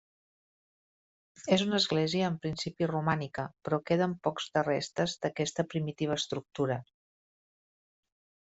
És una església en principi romànica, però queden pocs de restes d'aquesta primitiva estructura.